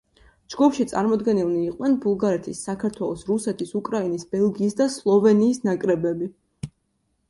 ჯგუფში წარმოდგენილნი იყვნენ ბულგარეთის, საქართველოს, რუსეთის, უკრაინის, ბელგიის და სლოვენიის ნაკრებები.